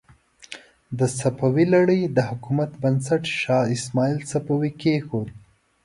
د صفوي لړۍ د حکومت بنسټ شاه اسماعیل صفوي کېښود.